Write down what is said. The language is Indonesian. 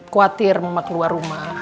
khawatir mama keluar rumah